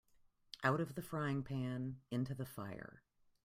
Out of the frying pan into the fire.